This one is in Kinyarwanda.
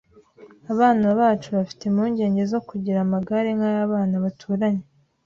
Abana bacu bafite impungenge zo kugira amagare nkay'abana baturanye